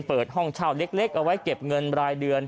เปิดห้องเช่าเล็กเอาไว้เก็บเงินรายเดือน